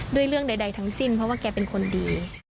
ด้วยเรื่องใดทั้งสิ้นเพราะว่าแกเป็นคนดี